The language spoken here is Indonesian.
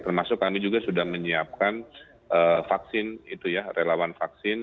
termasuk kami juga sudah menyiapkan vaksin relawan vaksin